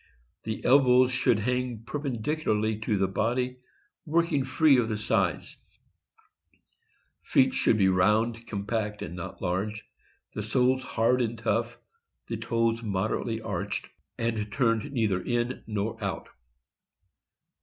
The elbows should hang perpendicularly to the body, working free of the sides. Feet should be round, compact, and not large; the soles hard and tough; the toes moderately arched, and turned neither in nor out.